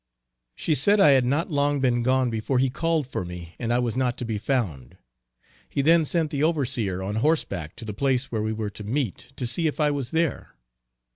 She said I had not long been gone before he called for me and I was not to be found. He then sent the overseer on horseback to the place where we were to meet to see if I was there.